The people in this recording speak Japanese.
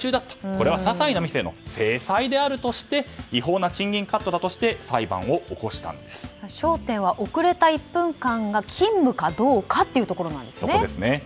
これはささいなミスへの制裁であるとして違法な賃金カットだとして焦点は遅れた１分間が勤務かどうかというところなんですね。